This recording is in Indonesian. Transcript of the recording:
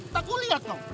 takut lihat tau